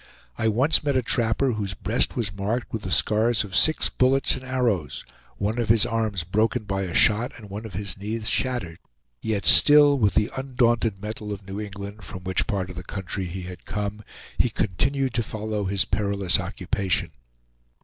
I once met a trapper whose breast was marked with the scars of six bullets and arrows, one of his arms broken by a shot and one of his knees shattered; yet still, with the undaunted mettle of New England, from which part of the country he had come, he continued to follow his perilous occupation.